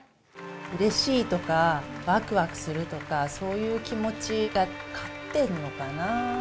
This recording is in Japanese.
うれしいとか、わくわくするとか、そういう気持ちが勝ってるのかな。